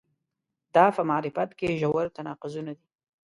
دا په معرفت کې ژور تناقضونه دي.